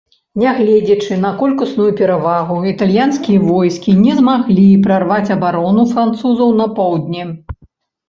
Нягледзячы на колькасную перавагу, італьянскія войскі не змаглі прарваць абарону французаў на поўдні.